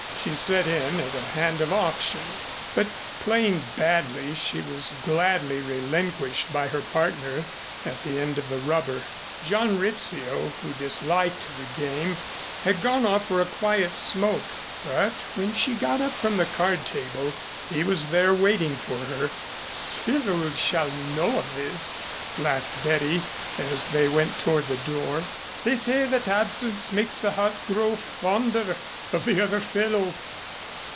She sat in at a hand of auction, but playing badly, she was gladly relinquished by her partner at the end of the rubber. John Rizzio, who disliked the game, had gone off for a quiet smoke, but when she got up from the card table he was there waiting for her. "Cyril shall know of this," laughed Betty, as they went toward the door. "They say that absence makes the heart grow fonder of the other fellow."